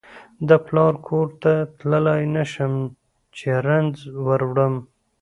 د پلار کور ته تللای نشم چې رنځ وروړم